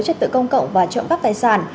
chất tự công cộng và trộm cắp tài sản